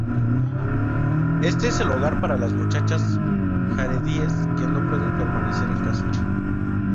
Este es el hogar para las muchachas jaredíes que no pueden permanecer en casa.